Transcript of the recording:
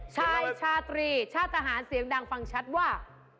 ชายชาตรีชาติทหารเสียงดังฟังชัดว่า